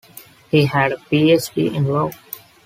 He had a PhD in law.